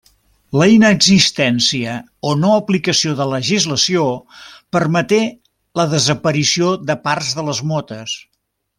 La inexistència o no aplicació de legislació permeté la desaparició de part de les motes.